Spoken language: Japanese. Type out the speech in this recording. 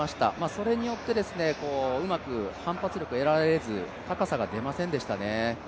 それによって、うまく反発力が得られず高さが出ませんでしたね。